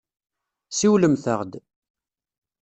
Siwlemt-aɣ-d.